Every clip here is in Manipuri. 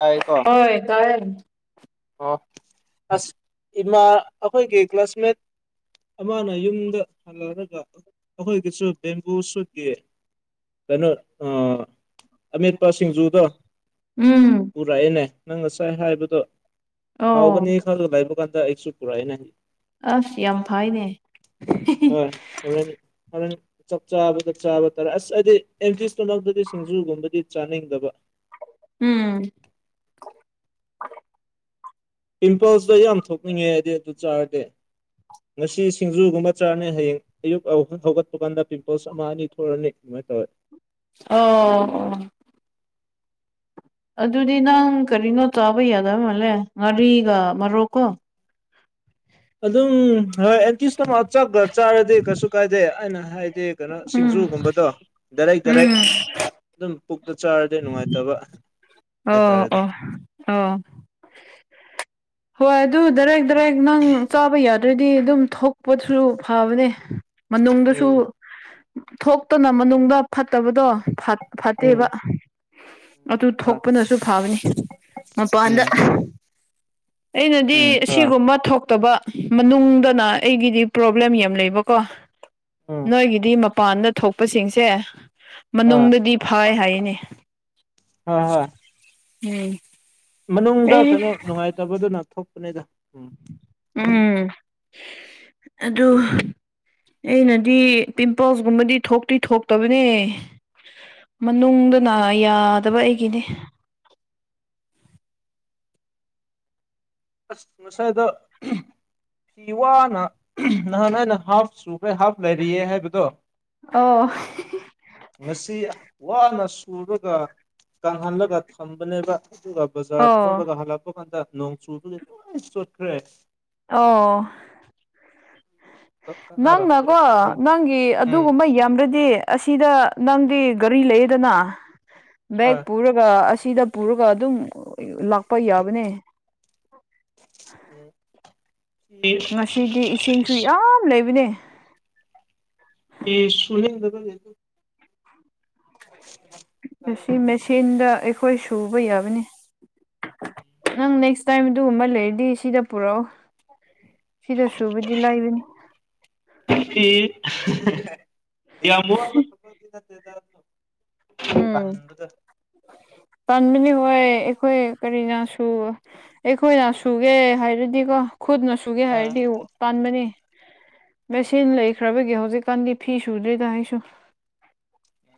ꯍꯥꯏꯀꯣ ꯍꯣꯏ ꯀꯦ ꯑꯣ ꯑꯁ ꯏꯃꯥ ꯑꯩꯈꯣꯏꯒꯤ ꯀ꯭ꯂꯥꯁꯃꯦꯠ ꯑꯃꯅ ꯌꯨꯝꯗ ꯍꯜꯂꯛꯂꯒ ꯑꯩꯈꯣꯏꯒꯤꯁꯨ ꯕꯦꯝꯕꯨ ꯁꯨꯠꯀꯤ ꯀꯩꯅꯣ ꯑꯃꯤꯠꯄ ꯁꯤꯡꯖꯨꯗ ꯎꯝ ꯄꯨꯔꯛꯑꯦꯅꯦ ꯅꯪ ꯉꯁꯥꯏ ꯍꯥꯏꯕꯗꯣ ꯑꯣ ꯍꯥꯎꯒꯅꯤ ꯈꯔꯗ ꯂꯏꯕ ꯀꯥꯟꯗ ꯑꯦꯁꯨ ꯄꯨꯔꯥꯏꯅꯥ ꯑꯁ ꯌꯥꯝ ꯐꯩꯅꯦ ꯑꯣꯦꯟ ꯆꯥꯛ ꯆꯥꯕꯗ ꯆꯥꯕ ꯇꯥꯔꯦ ꯑꯁ ꯍꯥꯏꯗꯤ ꯑꯦꯝꯇ ꯏꯁꯛꯇꯗꯤ ꯁꯤꯡꯖꯨꯒꯨꯝꯕꯗꯤ ꯆꯥꯅꯤꯡꯗꯕ ꯎꯝ ꯄꯤꯝꯄꯜꯁꯇꯣ ꯌꯥꯝ ꯊꯣꯛꯅꯤꯡꯉꯦ ꯍꯥꯏꯗꯤ ꯑꯗꯨ ꯆꯥꯔꯗꯤꯦ ꯉꯁꯤ ꯁꯤꯡꯖꯨꯒꯨꯝꯕ ꯆꯥꯔꯅꯤ ꯍꯌꯦꯡ ꯑꯌꯨꯛ ꯍꯧꯒꯠꯄ ꯀꯥꯟꯗ ꯄꯤꯝꯄꯜꯁ ꯑꯃ ꯑꯅꯤ ꯊꯣꯛꯛꯑꯅꯤ ꯑꯗꯨꯃꯥꯏꯅ ꯇꯧꯋꯦ ꯑꯣ ꯑꯣ ꯑꯗꯨꯗꯤ ꯅꯪ ꯀꯔꯤꯅꯣ ꯆꯥꯕ ꯌꯥꯗꯕ ꯃꯥꯜꯂꯦ ꯉꯥꯔꯤꯒ ꯃꯔꯣꯛꯀꯣ ꯑꯗꯨꯝ ꯍꯣꯏ ꯑꯦꯟꯇꯤꯁꯇ ꯃꯥ ꯆ ꯆꯥꯔꯗꯤ ꯀꯩꯁꯨ ꯀꯥꯏꯗꯦ ꯑꯩꯅ ꯍꯥꯏꯗꯤ ꯀꯩꯅꯣ ꯎꯝ ꯁꯤꯡꯖꯨꯒꯨꯝꯕꯗꯣ ꯗꯔꯩ ꯔꯩ ꯎꯝ ꯑꯗꯨꯝ ꯄꯨꯛꯇ ꯆꯥꯔꯗꯤ ꯅꯨꯡꯉꯥꯏꯇꯕ ꯑꯣ ꯍꯥꯏꯇꯥꯔꯦꯗ ꯑꯣ ꯑꯣ ꯍꯣꯏ ꯑꯗꯨ ꯗꯥꯏꯔꯦꯛ ꯗꯥꯏꯔꯦꯛ ꯅꯪ ꯆꯥꯕ ꯌꯥꯗ꯭ꯔꯗꯤ ꯑꯗꯨꯝ ꯊꯣꯛ ꯄꯣꯠꯁꯨ ꯐꯕꯅꯦ ꯃꯅꯨꯡꯗꯁꯨ ꯎꯝ ꯊꯣꯛꯇꯅ ꯃꯅꯨꯡꯗ ꯐꯠꯇꯕꯗꯣ ꯎꯝ ꯐꯠꯇꯦꯕ ꯑꯗꯨ ꯍꯣꯏ ꯊꯣꯛꯄꯅꯁꯨ ꯐꯕꯅꯤ ꯃꯄꯥꯟꯗ ꯎꯝ ꯑꯩꯅꯗꯤ ꯎꯝ ꯍꯣꯏ ꯑꯁꯤꯒꯨꯝꯕ ꯊꯣꯛꯇꯕ ꯃꯅꯨꯡꯗꯅ ꯑꯩꯒꯤꯗꯤ ꯄ꯭ꯔꯣꯕ꯭ꯂꯦꯝ ꯌꯥꯝ ꯂꯩꯕꯀꯣ ꯎꯝ ꯅꯣꯏꯒꯤꯗꯤ ꯃꯄꯥꯟꯗ ꯊꯣꯛꯄꯁꯤꯡꯁꯦ ꯍꯣꯏ ꯃꯅꯨꯡꯗꯗꯤ ꯐꯥꯏ ꯍꯥꯏꯔꯤꯅꯤ ꯍ ꯍꯣꯏ ꯎꯝ ꯃꯅꯨꯡꯗ ꯑꯩ ꯀꯩꯅꯣ ꯅꯨꯡꯉꯥꯏꯇꯕꯗꯨꯅ ꯊꯣꯛꯄꯅꯤꯗ ꯎꯝ ꯎꯝ ꯑꯗꯨ ꯑꯩꯅꯗꯤ ꯄꯤꯝꯄꯜꯁꯀꯨꯝꯕꯗꯤ ꯊꯣꯛꯇꯤ ꯊꯣꯛꯇꯕꯅꯦ ꯃꯅꯨꯡꯗ ꯌꯥꯗꯕ ꯑꯩꯒꯤꯅꯦ ꯑꯁ ꯉꯁꯥꯏꯗ ꯐꯤ ꯋꯥꯅ ꯅꯍꯥꯟꯍꯏꯩꯅ ꯍꯥꯐꯁꯨꯨꯈꯩ ꯍꯥꯐ ꯂꯩꯔꯤꯌꯦ ꯍꯥꯏꯕꯗꯣ ꯑꯣ ꯉꯁꯤ ꯋꯥꯅ ꯁꯨꯔꯒ ꯀꯪꯍꯜꯂꯒ ꯊꯝꯕꯅꯦꯕ ꯑꯗꯨꯒ ꯕꯖꯥꯔ ꯑꯣ ꯊꯣꯂꯒ ꯍꯜꯂꯛꯄ ꯀꯥꯟꯗ ꯅꯣꯡ ꯆꯨꯕꯗꯤ ꯂꯣꯏ ꯆꯣꯠꯈ꯭ꯔꯦ ꯑꯣ ꯀꯥꯟꯅꯔꯝꯗ꯭ꯔꯦ ꯅꯪꯅꯀꯣ ꯅꯝ ꯅꯪꯒꯤ ꯎꯝ ꯑꯗꯨꯒꯨꯝꯕ ꯌꯥꯝꯔꯗꯤ ꯑꯁꯤꯗ ꯅꯪꯗꯤ ꯒꯥꯔꯤ ꯂꯩꯌꯦꯗꯅ ꯕꯦꯛ ꯍꯣꯏ ꯄꯨꯔꯒ ꯑꯁꯤꯗ ꯄꯨꯔꯒ ꯑꯗꯨꯝ ꯂꯥꯛꯄ ꯌꯥꯕꯅꯦ ꯎ ꯍ ꯑꯁꯤꯗꯤ ꯏꯁꯤꯡꯁꯨ ꯌꯥꯝ ꯂꯩꯕꯅꯦ ꯁꯅꯤꯗ ꯑꯗꯨ ꯎ ꯑꯁꯤ ꯃꯦꯆꯤꯟꯗ ꯑꯩꯈꯣꯏ ꯁꯨꯕ ꯌꯥꯕꯅꯤ ꯅꯪ ꯅꯦꯛꯁ ꯇꯥꯏꯝ ꯑꯗꯨꯒꯨꯝꯕ ꯂꯩꯔꯗꯤ ꯁꯤꯗ ꯄꯨꯔꯛꯑꯣ ꯁꯤꯗ ꯁꯨꯕꯨꯗꯤ ꯂꯩꯕꯅꯤ ꯌꯥꯝ ꯃ ꯄꯗ ꯄꯟꯅꯤ ꯍꯣꯏ ꯑꯩꯈꯣꯏ ꯀꯔꯤꯅꯁꯨ ꯑꯩꯈꯣꯏꯅ ꯁꯨꯒꯦ ꯍꯥꯏꯔꯗꯤꯀꯣ ꯈꯨꯠꯅ ꯁꯨꯒꯦ ꯎꯝ ꯍꯥꯏꯔꯗꯤ ꯄꯥꯟꯕꯅꯤ ꯃꯦꯆꯤꯟ ꯂꯩꯈ꯭ꯔꯕꯒꯤ ꯍꯧꯖꯤꯛꯀꯥꯟꯗꯤ ꯐꯤ ꯁꯨꯗ꯭ꯔꯤꯗ ꯑꯩꯁꯨ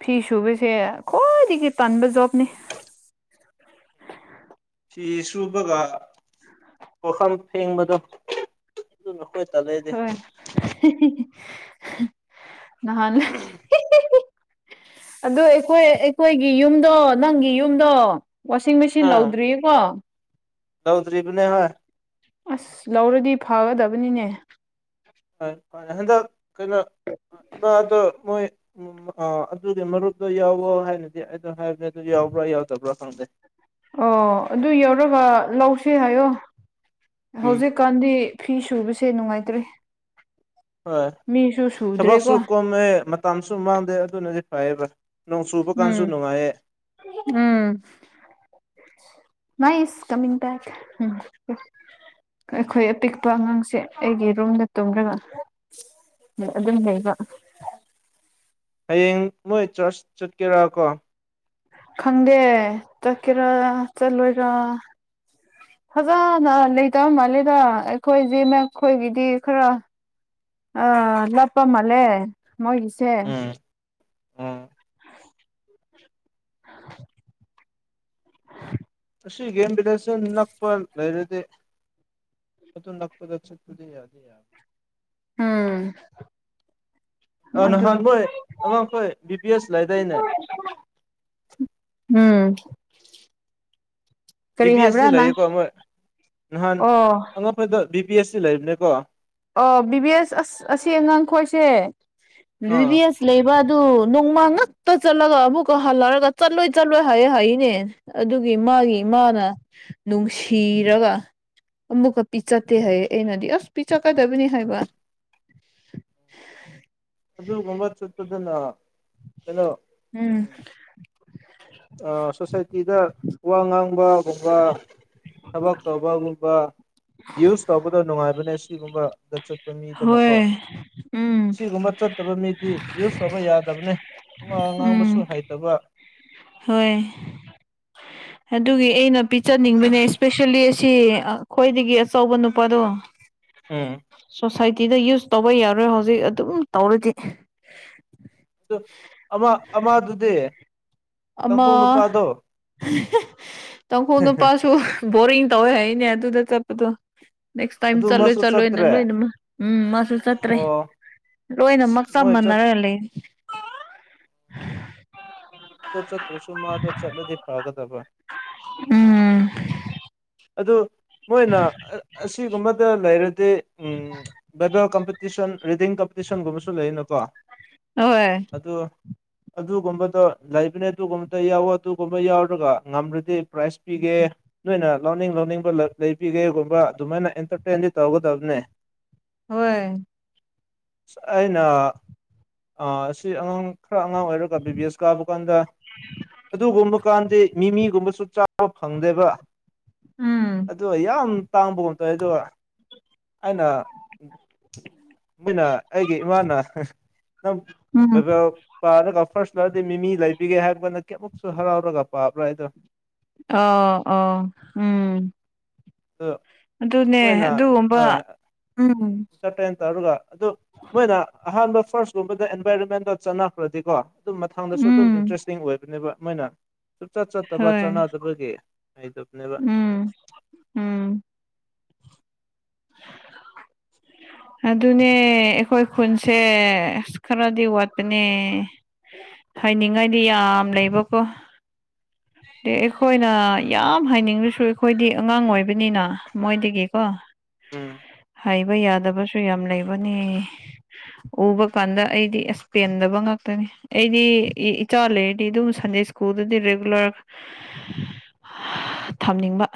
ꯐꯤ ꯁꯨꯕꯁꯦ ꯈ꯭ꯋꯥꯏꯗꯒꯤ ꯄꯕ ꯖꯣꯕꯅꯤ ꯐꯤ ꯁꯨꯕꯒ ꯄꯣꯈꯝ ꯐꯦꯡꯕꯗꯣ ꯑꯗꯨ ꯅꯈꯣꯏ ꯇ ꯂꯩꯦꯗꯤꯦ ꯅꯍꯂ ꯑꯣ ꯑꯩꯈꯣꯏ ꯑꯩꯈꯣꯏꯒꯤ ꯌꯨꯝꯗꯣ ꯅꯪꯒꯤ ꯌꯨꯝꯗꯣ ꯋꯥꯁꯤꯡ ꯃꯦꯆꯤꯟ ꯎꯝ ꯂꯧꯗ꯭ꯔꯤꯌꯦꯀꯣ ꯇꯧꯗ꯭ꯔꯤꯕꯅꯦ ꯍ ꯑꯁ ꯂꯧꯔꯗꯤ ꯐꯒꯗꯕꯅꯤꯅꯦ ꯍꯣꯏ ꯍꯣꯏ ꯍꯟꯗꯛ ꯀꯩꯅꯣ ꯏꯃꯥꯗꯣ ꯃꯣꯏ ꯑꯗꯨꯒꯤ ꯃꯔꯨꯞꯇꯣ ꯌꯥꯎꯋꯣ ꯍꯥꯏꯅꯗꯤ ꯑꯩꯗꯣ ꯍꯥꯏꯕꯅꯦ ꯑꯗꯨ ꯌꯥꯎꯕ꯭ꯔꯥ ꯌꯥꯎꯗꯕ꯭ꯔꯥ ꯈꯪꯗꯦ ꯑꯣ ꯑꯗꯨ ꯌꯧꯔꯒ ꯂꯧꯁꯤ ꯍꯥꯏꯌꯣ ꯍꯧꯖꯤꯛ ꯎꯝ ꯍꯧꯖꯤ ꯀꯥꯟꯗꯤ ꯐꯤ ꯁꯨꯕꯁꯦ ꯅꯨꯡꯉꯥꯏꯇ꯭ꯔꯦ ꯍ ꯃꯤꯁꯨ ꯍꯕꯥꯛꯁꯨ ꯁꯨꯗ꯭ꯔꯦꯀꯣ ꯀꯃ ꯃꯇꯝꯁꯨ ꯃꯥꯡꯗꯦ ꯑꯗꯨꯅꯗꯤ ꯐꯩꯌꯦꯕ ꯅꯣꯡ ꯆꯨꯕ ꯀꯥꯟꯁꯨ ꯎꯝ ꯅꯨꯡꯉꯥꯏꯌꯦ ꯎꯝ ꯃꯥꯏ ꯀꯃꯤ ꯦꯛ ꯎꯝ ꯑꯩꯈꯣꯏ ꯑꯄꯤꯛꯄ ꯑꯉꯥꯡꯁꯦ ꯑꯩꯒꯤ ꯔꯨꯝꯗ ꯇꯨꯝꯂꯒ ꯑꯗꯨꯝ ꯂꯩꯕ ꯍꯌꯦꯡ ꯃꯣꯏ ꯆꯔꯆ ꯆꯠꯀꯦꯔ ꯀꯣ ꯈꯪꯗꯦ ꯆꯠꯀꯦꯔꯥ ꯆꯠꯂꯣꯏꯔ ꯐꯖꯅ ꯂꯩꯇꯕ ꯃꯥꯜꯂꯦꯗ ꯑꯩꯈꯣꯏꯁꯦ ꯃꯈꯣꯏꯒꯤꯗꯤ ꯈꯔ ꯑ ꯂꯞꯄꯃ ꯂꯩꯦ ꯃꯒꯤꯤꯁꯦ ꯎꯝ ꯎꯝ ꯑꯁꯤ ꯒꯦꯝ ꯕꯤꯗꯦꯁ ꯅꯛꯄ ꯂꯩꯔꯗꯤ ꯍ ꯑꯗꯨ ꯅꯥꯛꯄꯗꯆ ꯊꯗꯤ ꯌꯥꯗꯦ ꯌꯥ ꯎꯝ ꯑ ꯑꯗꯨ ꯅꯍꯥꯟꯈꯣꯏ ꯑꯉꯥꯡꯈꯣꯏ ꯕꯤ ꯄꯤ ꯑꯦꯁ ꯂꯥꯏꯗꯥꯏꯅꯦ ꯎꯝ ꯕꯤ ꯀꯔꯤ ꯄꯤ ꯑꯦꯁ ꯍꯥꯏꯕ꯭ꯔꯥ ꯁꯤ ꯅꯪ ꯂꯩꯌꯦꯀꯣ ꯃꯣꯏ ꯅꯍꯥꯟ ꯑꯣ ꯑꯉꯛꯄꯗ ꯕꯤ ꯄꯤ ꯑꯦꯁ ꯁꯤ ꯂꯩꯅꯤꯀꯣ ꯑꯣ ꯕꯤꯕꯤ ꯑꯦꯁ ꯑꯁ ꯑꯁꯤ ꯑꯉꯥꯡ ꯈꯣꯏꯁꯦ ꯑꯥ ꯕꯤ ꯑꯦꯁ ꯂꯩꯕ ꯑꯗꯨ ꯅꯣꯡꯃ ꯉꯛꯇ ꯆꯠꯂꯒ ꯑꯃꯨꯛꯀ ꯍꯜꯂꯔꯒ ꯆꯠꯂꯣꯏ ꯆꯠꯂꯣꯏ ꯍꯥꯏꯌꯦꯦ ꯍꯥꯏꯅꯦ ꯑꯗꯨꯒꯤ ꯃꯥꯒꯤ ꯏꯃꯥꯅ ꯅꯨꯡꯁꯤꯔꯒ ꯃꯨꯀ ꯄꯤꯆꯇꯩ ꯍꯥꯏꯌꯦ ꯑꯦꯅꯗꯤ ꯑꯁ ꯄꯤꯆ ꯀꯗꯕꯅꯤ ꯍꯥꯏꯕ ꯑꯗꯨ ꯃꯝꯕꯔ ꯆꯛꯇ ꯑꯗꯨꯅ ꯀꯂꯣ ꯎꯝ ꯁꯣꯁꯥꯏꯇꯤꯗ ꯋꯥ ꯉꯥꯡꯕꯒꯨꯝꯕ ꯊꯕꯛ ꯇꯧꯕꯒꯨꯝꯕ ꯌꯨꯁ ꯇꯧꯕꯗꯣ ꯅꯨꯡꯉꯥꯏꯕꯅꯦ ꯁꯤꯒꯨꯝꯕꯗ ꯆ ꯃꯤꯗꯨꯅꯀꯣ ꯍꯣꯏ ꯎꯝ ꯁꯤꯒꯨꯝꯕ ꯆꯠꯇꯕ ꯃꯤꯗꯤ ꯌꯨꯁ ꯇꯧꯕ ꯌꯥꯗꯕꯅꯦ ꯑ ꯉꯥꯡꯕꯁꯨ ꯎꯝ ꯍꯩꯇꯕ ꯍꯣꯏ ꯑꯗꯨꯒꯤ ꯑꯩꯅ ꯄꯤꯖꯅꯤꯡꯕꯅꯦ ꯏꯁꯄꯦꯁꯦꯜꯂꯤ ꯑꯁꯤ ꯈ꯭ꯋꯥꯏꯗꯒꯤ ꯑꯆꯧꯕ ꯅꯨꯄꯥꯗꯣ ꯎꯝ ꯁꯣꯁꯥꯏꯇꯤꯗ ꯌꯨꯁ ꯇꯧꯕ ꯌꯥꯔꯣꯏ ꯍꯧꯖꯤꯛ ꯑꯗꯨꯝ ꯇꯧꯔꯗꯤ ꯑꯗꯨ ꯑꯃ ꯑꯃꯗꯨꯗꯤ ꯑꯃ ꯇꯥꯡꯈꯨꯜ ꯅꯨꯄꯥꯗꯣ ꯇꯥꯡꯈꯣꯡ ꯅꯨꯄꯥꯁꯨ ꯣꯔꯤꯡ ꯇꯧꯋꯦꯅꯦ ꯑꯗꯨꯗ ꯆꯞꯗꯨ ꯅꯦꯛꯁ ꯇꯥꯏꯝ ꯑꯗꯨ ꯆꯠꯂꯣꯏ ꯃꯥꯁꯨ ꯆꯠꯂꯣꯏꯅ ꯆꯠꯇ꯭ꯔꯦ ꯂꯣꯏꯅꯃꯛ ꯎꯝ ꯃꯥꯁꯨ ꯆꯠꯇ꯭ꯔꯦ ꯑꯣ ꯑꯁ ꯂꯣꯏꯅꯃꯛ ꯆꯞ ꯃꯣꯏ ꯆꯠꯄꯗꯣ ꯃꯥꯟꯅꯔ ꯂꯩꯦ ꯠꯇꯣ ꯆꯠꯇ꯭ꯔꯨꯁꯨ ꯃꯥꯗꯣ ꯆꯠꯂꯗꯤ ꯐꯒꯗꯕ ꯎꯝ ꯑꯗꯨ ꯃꯣꯏꯅ ꯑꯁꯤꯒꯨꯝꯕꯗ ꯂꯩꯔꯗꯤ ꯕꯥꯏꯕꯦꯜ ꯀꯝꯄꯤꯇꯤꯁꯟ ꯔꯤꯗꯤꯡ ꯀꯝꯄꯤꯇꯤꯁꯟꯒꯨꯝꯕꯁꯨ ꯂꯩꯔꯤꯅꯀꯣ ꯍꯣꯏ ꯑꯗꯨ ꯑꯗꯨꯒꯨꯝꯕꯗꯣ ꯂꯩꯕꯅꯦ ꯑꯗꯨꯒꯨꯝꯕꯗ ꯌꯥꯎꯋ ꯑꯗꯨꯒꯨꯝꯕ ꯌꯥꯎꯔꯒ ꯉꯝꯔꯗꯤ ꯄ꯭ꯔꯥꯏꯖ ꯄꯤꯒꯦ ꯅꯣꯏꯅ ꯂꯧꯅꯤꯡ ꯂꯧꯅꯤꯡꯕ ꯂꯩꯕꯤꯒꯦꯒꯨꯝꯕ ꯑꯗꯨꯃꯥꯏꯅ ꯑꯦꯟꯇꯔꯇꯦꯟꯗꯤ ꯇꯧꯒꯗꯕꯅꯦ ꯍꯣꯏ ꯑꯩꯅ ꯁꯤ ꯑꯉꯥꯡ ꯈꯔ ꯑꯉꯥꯡ ꯑꯣꯏꯔꯒ ꯕꯤ ꯕꯤ ꯑꯦꯁ ꯀꯥꯕ ꯀꯥꯟꯗ ꯑꯗꯨꯒꯨꯝꯕ ꯀꯥꯟꯗꯤ ꯃꯤꯃꯤꯒꯨꯝꯕꯁꯨ ꯆꯥꯕ ꯐꯪꯗꯦꯕ ꯎꯝ ꯑꯗꯣ ꯌꯥꯝ ꯇꯥꯡꯕꯒꯣꯝ ꯇꯧꯋ ꯑꯗꯣ ꯑꯩꯅ ꯃꯣꯏꯅ ꯑꯩꯒꯤ ꯏꯃꯥꯅ ꯎꯝ ꯄꯥꯔꯒ ꯐꯥꯔꯁ ꯂꯔꯗꯤ ꯃꯤꯃꯤ ꯂꯩꯕꯤꯒꯦ ꯍꯥꯏꯕꯒꯅ ꯀꯌꯥꯃꯨꯛꯁꯨ ꯍꯔꯥꯎꯔꯒ ꯄꯥꯕ꯭ꯔꯥ ꯍꯥꯏꯗꯣ ꯑꯣ ꯑꯣ ꯎꯝ ꯑ ꯑꯗꯨꯅꯦ ꯃꯣꯏꯅ ꯑꯗꯨꯒꯨꯝꯕ ꯍꯣꯏ ꯎꯝ ꯏꯟꯇꯔꯇꯦꯟ ꯇꯧꯔꯒ ꯑꯗꯨ ꯃꯣꯏꯅ ꯑꯍꯥꯟꯕ ꯐꯥꯔꯁꯀꯨꯝꯕꯗ ꯑꯦꯟꯚꯥꯏꯔꯣꯟꯃꯦꯟꯗꯣ ꯆꯠꯅꯈ꯭ꯔꯗꯤꯀꯣ ꯑꯗꯨꯝ ꯃꯊꯪꯗꯁꯨ ꯑꯗꯨꯝ ꯎꯝ ꯏꯟꯇꯔꯦꯁꯇꯤꯡ ꯑꯣꯏꯕꯅꯦꯕ ꯃꯣꯏꯅ ꯁꯨꯆꯠ ꯆꯠꯇꯕ ꯍꯣꯏ ꯆꯥꯟꯅꯗꯕꯒꯤ ꯂꯩꯇꯕꯅꯦꯕ ꯎꯝ ꯎꯝ [unintelligible] ꯑꯗꯨꯅꯦ ꯑꯩꯈꯣꯏ ꯈꯨꯟꯁꯦ ꯑꯁ ꯈꯔꯗꯤ ꯋꯥꯠꯄꯅꯦ ꯍꯥꯏꯅꯤꯡꯉꯥꯏꯗꯤ ꯌꯥꯝ ꯂꯩꯕꯀꯣ ꯑ ꯑꯩꯈꯣꯏꯅ ꯌꯥꯝ ꯍꯥꯏꯅꯤꯡꯕꯁꯨ ꯑꯩꯈꯣꯏꯗꯤ ꯑꯉꯥꯡ ꯑꯣꯏꯕꯅꯤꯅ ꯃꯣꯏꯗꯒꯤꯀꯣ ꯑ ꯍꯥꯏꯩꯕ ꯌꯥꯗꯕꯁꯨ ꯌꯥꯝ ꯂꯩꯕꯅꯤ ꯎꯕ ꯀꯥꯟꯗ ꯑꯩꯗꯤ ꯑꯦꯁ ꯄꯦꯟꯗꯕ ꯉꯥꯛꯇꯅꯤ ꯑꯩꯗꯤ ꯏꯆꯥ ꯂꯩꯔꯗꯤ ꯑꯗꯨꯝ ꯁꯟꯗꯦ ꯁ꯭ꯀꯨꯜꯗꯗꯤ ꯔꯦꯒꯨꯂꯔ ꯊꯝꯅꯤꯡꯕ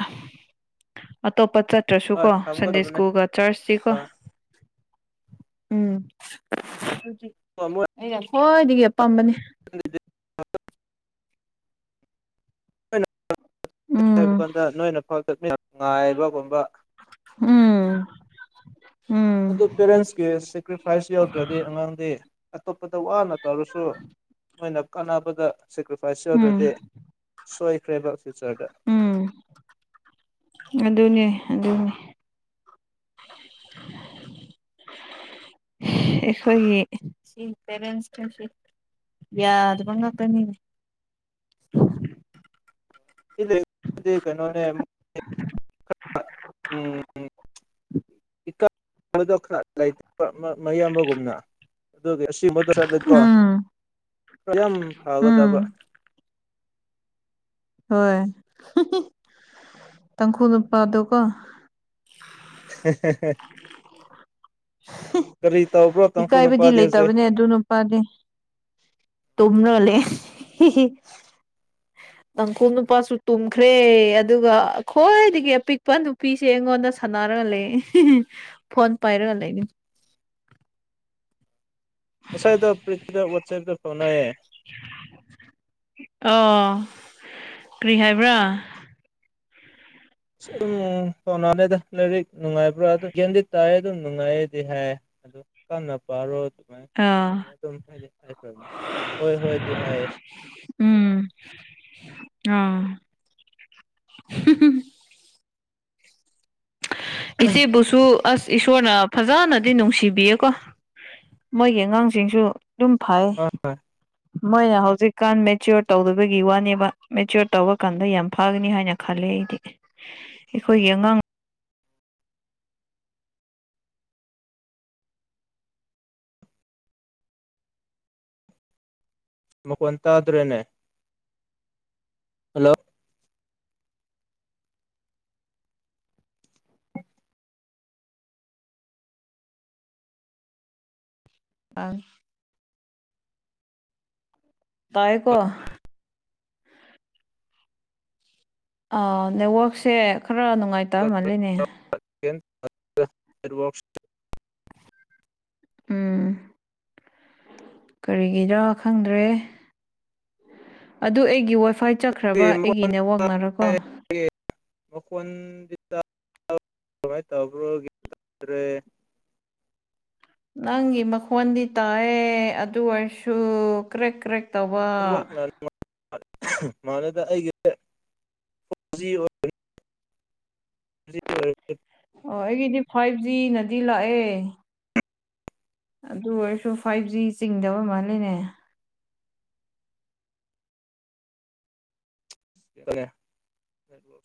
ꯑꯇꯣꯞꯄ ꯆꯠ ꯅꯠꯇ꯭ꯔꯁꯨ ꯍꯣꯏ ꯀꯣ ꯁꯟꯗꯦ ꯊꯝꯒꯗꯕꯅꯦ ꯁ꯭ꯀꯨꯜꯒ ꯆꯔꯆꯁꯤ ꯀꯣ ꯍꯣꯏ ꯎꯝ ꯍꯧ ꯑꯣꯣꯏ ꯑꯩ ꯍꯣꯏꯗꯒꯤ ꯑꯄꯥꯝꯕꯅꯤ [inaudible] ꯍꯥꯏꯕ ꯎꯝ ꯀꯥꯟꯗ ꯅꯣꯏꯅ ꯐ ꯆꯠꯃꯤꯟꯅ ꯅꯨꯡ ꯉꯥꯏꯕꯒꯨꯝꯕ ꯎꯝ ꯎꯝ ꯑꯗꯨ ꯄꯦꯔꯦꯟꯁꯀꯤ ꯁꯦꯀ꯭ꯔꯤꯐꯥꯏꯁ ꯌꯥꯎꯗ꯭ꯔꯗꯤ ꯑꯉꯥꯡꯗꯤ ꯑꯇꯣꯞꯄꯗ ꯋꯥꯅ ꯇꯧꯔꯁꯨ ꯃꯣꯏꯅ ꯀꯥꯟꯅꯕꯗ ꯁꯦꯀ꯭ꯔꯤꯐꯥꯏꯁ ꯎꯝ ꯌꯧꯗ꯭ꯔꯗꯤ ꯁꯣꯏꯈ꯭ꯔꯦꯕ ꯐ꯭ꯌꯨꯆꯔꯗ ꯎꯝ ꯑꯗꯨꯅꯦ ꯑꯗꯨꯅꯤ [unintelligible] [unintelligible] ꯑꯩꯈꯣꯏꯒꯤ ꯁꯤ ꯄꯦꯔꯦꯟꯁꯁꯤ ꯌꯥ ꯑꯗꯨꯃꯉꯄꯅꯤ ꯀꯩꯅꯣꯅꯦ [unintelligible] ꯎꯝ ꯏꯈꯔ ꯂꯩꯇ ꯃꯌꯥꯝꯕꯒꯨꯝꯅ ꯑꯗꯨꯒꯤ ꯑꯁꯤꯒꯕꯗ ꯆꯠꯂꯨꯗꯤꯀꯣ ꯎꯝ ꯑ ꯎꯝ ꯐꯕꯗꯕ ꯍꯣꯏ ꯇꯥꯡꯈꯨ ꯅꯨꯄꯥꯗꯣꯀꯣ ꯎ ꯀꯔꯤ ꯇꯕ꯭ꯔꯣ ꯏꯀꯥꯏꯕꯗꯤ ꯂꯩꯇꯕꯅꯦ ꯑꯗꯨꯅ ꯐꯅꯤ ꯇꯣ꯭ꯔ ꯂꯩꯦ [inaudible] ꯅꯪꯀꯨꯞ ꯅꯨꯄꯥꯁꯨ ꯇꯨꯝꯈ꯭ꯔꯦ ꯑꯗꯨꯒ ꯑꯩꯈꯣꯏꯗꯒꯤ ꯑꯄꯤꯛꯄ ꯅꯨꯄꯤꯁꯦ ꯑꯩꯉꯣꯟꯗ ꯁꯥꯟꯅꯔꯒ ꯂꯩ ꯐꯣꯟ ꯄꯥꯏꯔꯒ ꯂꯩꯅꯤ ꯉꯁꯥꯏꯗ ꯄ꯭ꯔꯤꯊꯤꯗ ꯋꯥꯆꯦꯞꯇ ꯐꯪꯅꯑꯌꯦ ꯑꯣ ꯀꯔꯤ ꯍꯥꯏꯕ꯭ꯔꯥ ꯑꯁ ꯑꯗꯨꯝ ꯁꯣꯅꯥꯅꯦꯗ ꯂꯥꯏꯔꯤꯛ ꯅꯨꯡꯉꯥꯏꯕ꯭ꯔꯥ ꯑꯗꯨꯝ ꯒꯦꯝꯗꯤ ꯇꯥꯏꯑ ꯑꯗꯨꯝ ꯅꯨꯡꯉꯥꯏꯌꯦꯗꯤ ꯍꯥꯏ ꯑ ꯀꯥꯟ ꯄꯥꯔꯣ ꯑꯗꯨꯃꯥꯏꯅ ꯑꯥ ꯑꯣꯏꯔ ꯑꯗꯨꯝ ꯍꯥꯏꯗꯤ ꯍꯥꯏꯈ꯭ꯔꯃꯦ ꯍꯣꯏ ꯍꯣꯏꯗꯤ ꯍꯥꯏꯌꯦ ꯎꯝ ꯑ ꯎ ꯏꯆꯦ ꯁꯁꯨ ꯑꯁ ꯏꯁꯣꯔꯅ ꯐꯖꯅꯗꯤ ꯅꯨꯡꯁꯤꯕꯤꯌꯦꯀꯣ ꯃꯣꯏꯒꯤ ꯑꯉꯥꯡꯁꯤꯡꯁꯨ ꯑꯗꯨꯨꯝ ꯐꯩ [inaudible] ꯃꯣꯏꯅ ꯍꯧꯖꯤꯛꯀꯥꯟ ꯃꯦꯆꯤꯌꯣꯔ ꯇꯧꯗꯕꯒꯤ ꯋꯥꯅꯦꯕ ꯃꯦꯆꯤꯌꯣꯔ ꯇꯧꯕꯔ ꯀꯥꯟꯗ ꯌꯥꯝ ꯐꯒꯅꯤ ꯍꯥꯏꯅ ꯈꯜꯂꯦ ꯑꯩꯗꯤ ꯑꯩꯈꯣꯏꯒꯤ ꯑꯉꯥꯡ ꯃꯈꯣꯟ ꯇꯥꯗ꯭ꯔꯦꯅꯦ ꯍꯜꯂꯣ ꯑ ꯇꯏꯀꯣ ꯅꯦꯠꯋꯛꯁꯦ ꯈꯔ ꯅꯨꯡꯉꯥꯏꯇꯃꯜꯂꯤꯅꯦ ꯁ ꯎꯝ ꯀꯔꯤꯒꯤꯗꯔ ꯈꯪꯗ꯭ꯔꯦ ꯑꯗꯨ ꯑꯩꯒꯤ ꯋꯥꯏꯐꯥꯏ ꯆꯠ ꯃꯣ ꯃꯀꯣꯟꯟ ꯀꯃꯥꯏ ꯇꯕ꯭ꯔꯣ꯭ꯔꯦ ꯅꯪꯒꯤ ꯃꯈꯣꯟꯗꯤ ꯇꯥꯏꯑ ꯑꯗꯨ ꯑꯣꯏꯔꯁꯨ ꯀ꯭ꯔꯦꯛ ꯀ꯭ꯔꯦꯛ ꯇꯧꯕ ꯃꯅꯗ ꯑꯩꯒꯤ ꯔ ꯑꯣ ꯑꯩꯒꯤꯗꯤ ꯐꯥꯏꯚ ꯖꯤꯅꯗꯤ ꯂꯥꯛꯑꯦ ꯑꯗꯨ ꯑꯣꯏꯔꯁꯨ ꯐꯥꯏꯚ ꯖꯤ ꯆꯤꯡꯗꯕ ꯃꯥꯜꯜꯂꯤꯅꯦ [unintelligible]